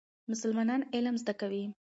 مسلمانان علم زده کوي.